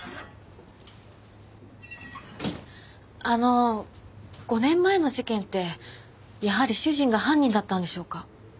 あの５年前の事件ってやはり主人が犯人だったんでしょうか？